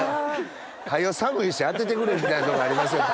早寒いし当ててくれみたいなとこありますよね。